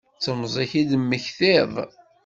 D temẓi-k i d-temmektiḍ?